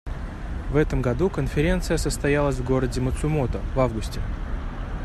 В этом году Конференция состоялась в городе Мацумото в августе.